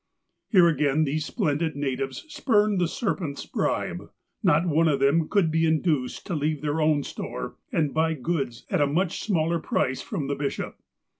Here again these splendid natives spurned the serpent's bribe. Not one of them could be induced to leave their own store, and buy goods at a much smaller price from the bishop.